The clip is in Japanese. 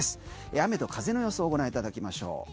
雨と風の予想をご覧いただきましょう。